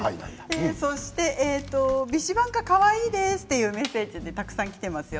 ヴィシヴァンカかわいいですというメッセージたくさんきていますよ。